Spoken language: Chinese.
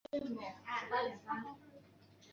缺瓣重楼是黑药花科重楼属的变种。